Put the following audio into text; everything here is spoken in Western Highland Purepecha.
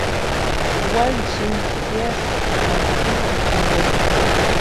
Wani sïmpa piaska pari kwʼinchikwa jimpo.